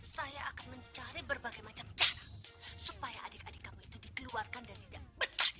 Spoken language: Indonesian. saya akan mencari berbagai macam cara supaya adik adik kamu itu dikeluarkan dan tidak betah